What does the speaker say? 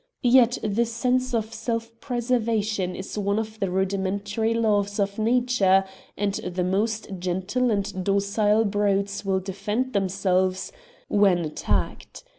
Yet the sense of self preservation is one of the rudimentary laws of nature, and the most gentle and docile brutes will defend themselves when 211 Curiosities of Olden Times attacked.